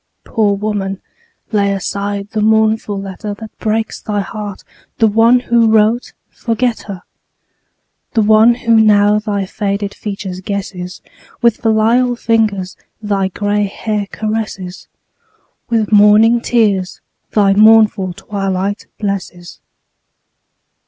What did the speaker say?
Poor woman, lay aside the mournful letter That breaks thy heart; the one who wrote, forget her: The one who now thy faded features guesses, With filial fingers thy gray hair caresses, With morning tears thy mournful twilight blesses.